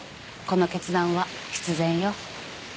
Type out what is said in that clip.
この決断は必然よ。